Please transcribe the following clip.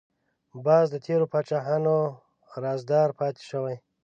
باز د تیرو پاچاهانو رازدار پاتې شوی